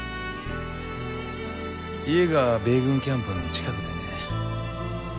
家が米軍キャンプの近くでね。